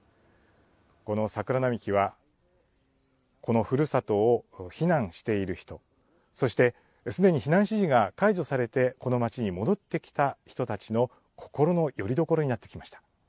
この桜並木は、このふるさとを避難している人、そしてすでに避難指示が解除されて、この町に戻ってきた人たちの心のよりどころになってきました。